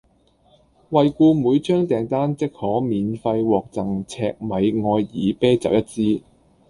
惠顧每張訂單即可免費獲贈赤米愛爾啤酒一支